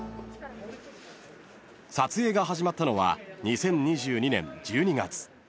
［撮影が始まったのは２０２２年１２月］